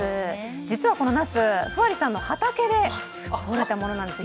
じつはこのなす、ふわりさんの畑でとれたものなんです。